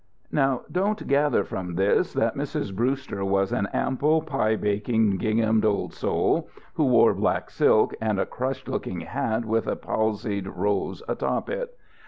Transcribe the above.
Now don't gather from this that Mrs. Brewster was an ample, pie baking, ginghamed old soul who wore black silk and a crushed looking hat with a palsied rose atop it.